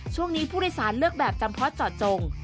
ช่วงนี้ผู้โดยสารเลือกแบบจำเพาะเจาะจง